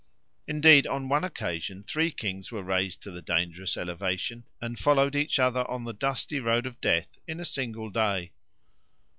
Indeed, on one occasion three kings were raised to the dangerous elevation and followed each other in the dusty road of death in a single day.